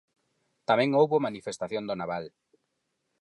Tamén houbo manifestación do naval.